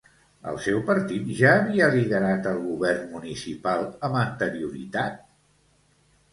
El seu partit ja havia liderat el govern municipal amb anterioritat?